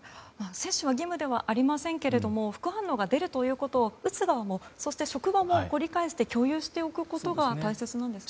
接種は義務ではありませんけれども副反応が出るということを打つ側も、そして職場も理解して共有しておくことが大事なんですね。